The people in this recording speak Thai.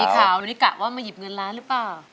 ขาวเลยนี่กะว่ามาหยิบเงินล้านหรือเปล่า